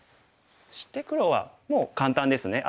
そして黒はもう簡単ですね。